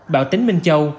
bảo tính minh châu